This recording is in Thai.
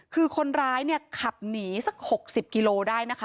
คือคนร้ายเนี่ยขับหนีสัก๖๐กิโลได้นะคะ